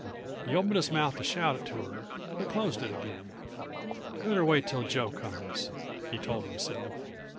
He opened his mouth to shout to her, but closed it again. "Better wait till Joe comes," he told himself.